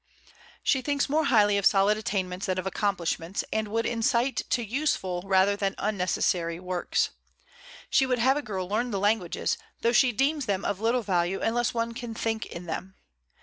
She thinks more highly of solid attainments than of accomplishments, and would incite to useful rather than unnecessary works. She would have a girl learn the languages, though she deems them of little value unless one can think in them.